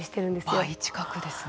倍近くですね。